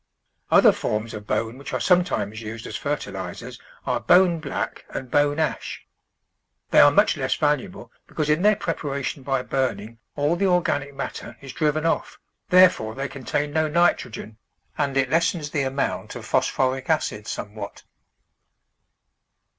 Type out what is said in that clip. Other forms of bone which are sometimes used as fertilisers are bone black and bone ash. They are much less valuable, because in their preparation by burning all the organic matter is driven off, there fore they contain no nitrogen, and it lessens the amount of phosphoric acid somewhat.